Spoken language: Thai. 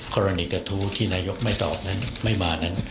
กระทู้ที่นายกไม่ตอบนั้นไม่มานั้น